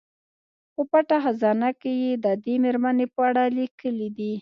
په پټه خزانه کې یې د دې میرمنې په اړه لیکلي دي.